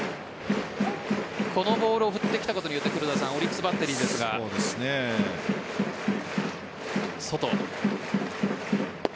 このボールを振ってきたことによってオリックスバッテリーですが外。